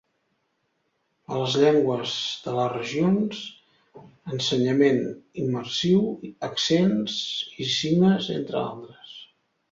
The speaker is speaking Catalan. A les llengües de les regions : ensenyament immersiu, accents i signes, entre altres.